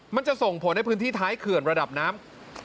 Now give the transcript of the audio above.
มันจะส่งผลให้พื้นที่ท้ายเขื่อนระดับน้ำ